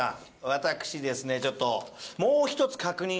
私ですねちょっと。